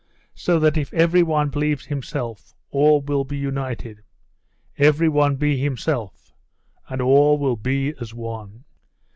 So that if every one believes himself all will be united. Every one be himself, and all will be as one."